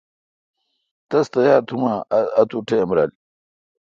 تس تیار تھم اؘ اتو ٹائم رل۔